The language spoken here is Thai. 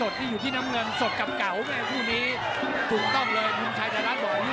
โดยมันแต่ไม่เป็นไรวะ